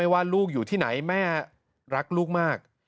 ว่าลูกอยู่ที่ไหนแม่รักลูกมาก